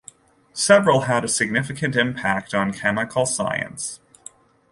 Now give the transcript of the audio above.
Several had a significant impact on chemical science.